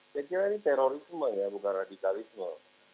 saya kira ini terorisme ya bukan radikalisme